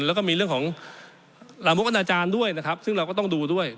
แล้วก็มีเรื่องของลามกอนาจารย์ด้วยนะครับซึ่งเราก็ต้องดูด้วย